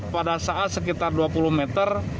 pada saat sekitar dua puluh meter